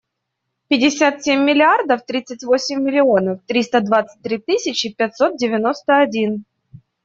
Пятьдесят семь миллиардов тридцать восемь миллионов триста двадцать три тысячи пятьсот девяносто один.